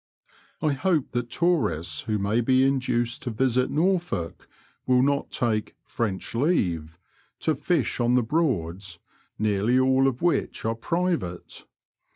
I hope that tourists who may be induced to visit Norfolk will not take *< French leave " to fish on the Broads, nearly all of which are private.